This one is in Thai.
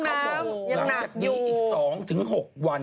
หลังจากนี้อีก๒ถึง๖วัน